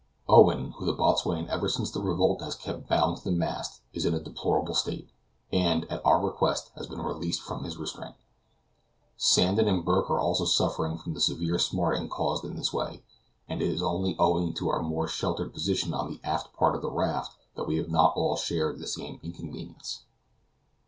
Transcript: Owen, whom the boatswain ever since the revolt has kept bound to the mast, is in a deplorable state, and, at our request, has been released from his restraint. Sandon and Burke are also suffering from the severe smarting caused in this way, and it is only owing to our more sheltered position on the aft part of the raft, that we have not all shared the same inconvenience.